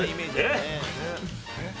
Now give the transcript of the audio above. えっ？